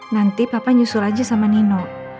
nanti papa nyusul aja sama nino